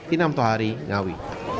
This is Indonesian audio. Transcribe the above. inam tohari ngawi